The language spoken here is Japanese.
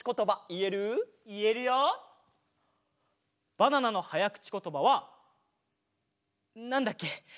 バナナのはやくちことばはなんだっけ？